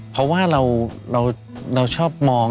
เพราะว่าเราชอบมอง